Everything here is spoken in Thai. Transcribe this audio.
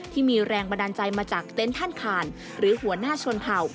ที่มีแรงบันดาลใจมาจากเต็นต์ท่านขานหรือหัวหน้าชนเผ่า